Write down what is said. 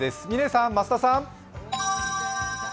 嶺さん、増田さん。